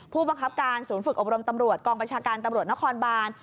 ผู้บังคับการศูนย์ฝึกอบรมตำรวจกองประชาการตำรวจนครบาน